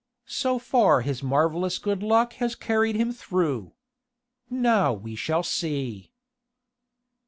So far his marvellous good luck has carried him through. Now we shall see."